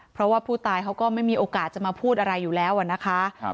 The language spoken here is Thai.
เพราะว่าผู้ตายเขาก็ไม่มีโอกาสจะมาพูดอะไรอยู่แล้วอะนะคะ